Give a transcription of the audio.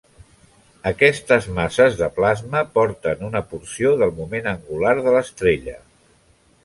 Aquestes masses de plasma porten una porció del moment angular de l'estrella.